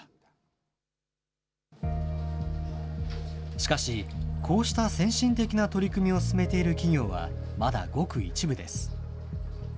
しかし、こうした先進的な取り組みを進めている企業は、まだごく一部です。